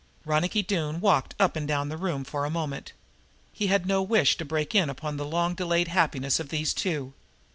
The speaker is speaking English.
Ronicky Doone walked up and down the room for a moment. He had no wish to break in upon the long delayed happiness of these two.